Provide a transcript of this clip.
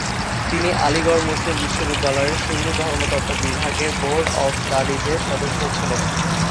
তিনি আলিগড় মুসলিম বিশ্ববিদ্যালয়ের সুন্নি ধর্মতত্ত্ব বিভাগের বোর্ড অফ স্টাডিজের সদস্যও ছিলেন।